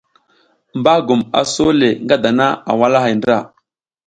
Bagum a sole nga dana a walahay ndra,